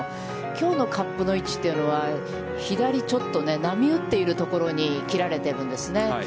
きょうのカップの位置というのは、左、ちょっと波打っているところに切られているんですね。